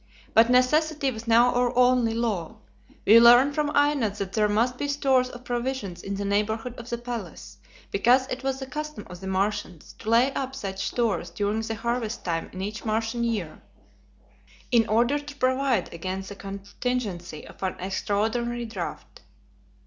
But necessity was now our only law. We learned from Aina that there must be stores of provisions in the neighborhood of the palace, because it was the custom of the Martians to lay up such stores during the harvest time in each Martian year in order to provide against the contingency of an extraordinary drought.